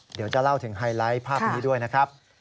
เดี๋ยวจะเล่าถึงไฮไลท์ภาพนี้ด้วยนะครับ